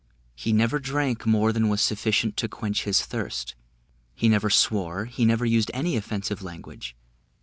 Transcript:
He never drank more than was sufficient to quench his thirst he never swore he never used any offensive language.